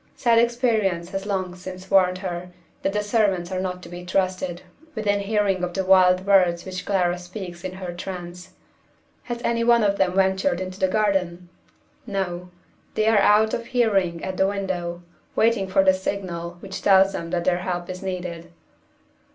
Sad experience has long since warned her that the servants are not to be trusted within hearing of the wild words which Clara speaks in the trance. Has any one of them ventured into the garden? No. They are out of hearing at the window, waiting for the signal which tells them that their help is needed.